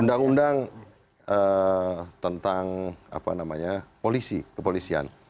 undang undang tentang kepolisian